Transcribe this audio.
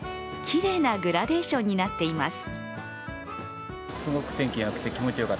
きれいなグラデーションになっています。